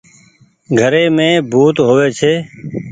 گھري مي ڀوت هووي ڇي۔